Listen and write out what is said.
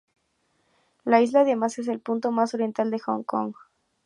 La isla además es el punto más oriental de Hong Kong.